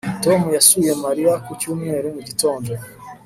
Tom yasuye Mariya ku cyumweru mu gitondo